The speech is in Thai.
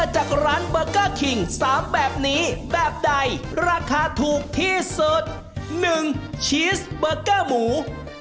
๑ชีสเบอร์เกอร์หมู